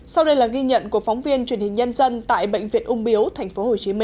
sau đây là ghi nhận của phóng viên truyền hình nhân dân tại bệnh viện ung biếu tp hcm